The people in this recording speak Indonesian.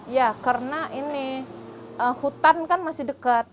ya karena ini hutan kan masih dekat